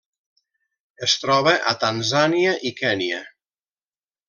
Es troba a Tanzània i Kenya.